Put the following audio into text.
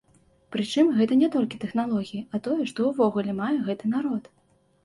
Прычым гэта не толькі тэхналогіі, а тое, што ўвогуле мае гэты народ.